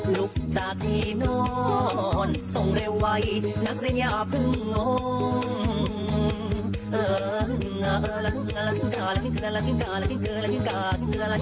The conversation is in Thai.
ลุกจากที่นอนส่งเร็วไวนักเรียนอย่าเพิ่งงง